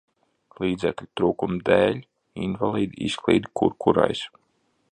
Līdzekļu trūkuma dēļ, invalīdi izklīda kur kurais.